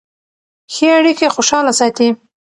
ښې اړیکې خوشحاله ساتي.